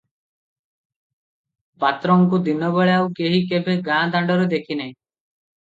ପାତ୍ରଙ୍କୁ ଦିନବେଳେ ଆଉ କେହି କେଭେ ଗାଁ ଦାଣ୍ଡରେ ଦେଖିନାହିଁ ।